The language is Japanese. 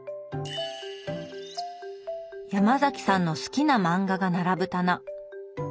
ヤマザキさんの好きな漫画が並ぶ棚。